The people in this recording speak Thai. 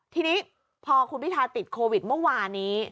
ทีนี้พอคุณพิทาติดโควิดเมื่อวานนี้